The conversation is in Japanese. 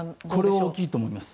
これは大きいと思います。